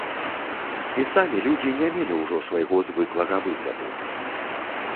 І самі людзі не мелі ўжо свайго звыклага выгляду.